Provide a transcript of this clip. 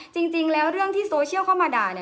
จริงแล้วเรื่องที่โซเชียลเข้ามาด่าเนี่ย